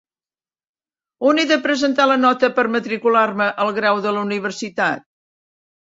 On he de presentar la nota per matricular-me al grau de la universitat?